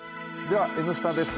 では「Ｎスタ」です。